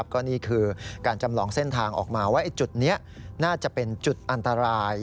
ก็นี่คือการจำลองเส้นทางออกมาว่าจุดนี้น่าจะเป็นจุดอันตราย